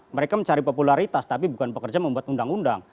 mereka mencari popularitas tapi bukan pekerja membuat undang undang